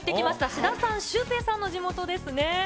志田さん、シュウペイさんの地元ですね。